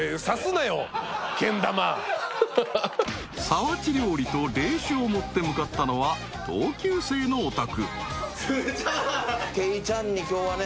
［皿鉢料理と冷酒を持って向かったのは同級生のお宅］